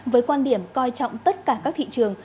với quan điểm coi trọng tất cả các thị trường